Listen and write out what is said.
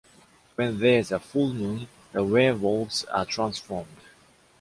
When there’s a full moon, the werewolves are transformed.